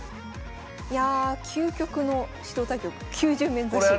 いや「究極の指導対局９０面指し」。